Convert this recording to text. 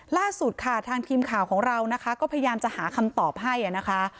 ล่าสุดค่ะทางทีมข่าวของเรานะคะก็พยายามจะหาคำตอบให้นะคะ